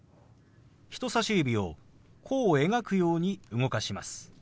人さし指を弧を描くように動かします。